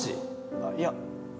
あっいや。